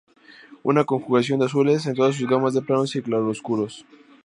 Una conjugación de azules en todas sus gamas de planos y claroscuros.